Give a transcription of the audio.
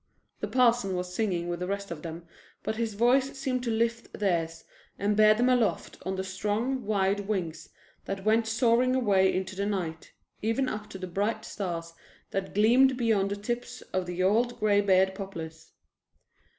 The parson was singing with the rest of them, but his voice seemed to lift theirs and bear them aloft on the strong, wide wings that went soaring away into the night, even up to the bright stars that gleamed beyond the tips of the old graybeard poplars.